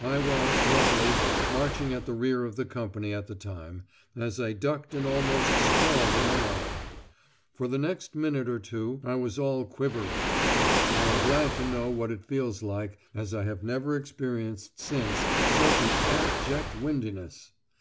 I was, luckily, marching at the rear of the company at the time, as I ducked and almost sprawled in alarm. For the next minute or two I was all quivery. I am glad to know what it feels like, as I have never experienced since such an abject windiness!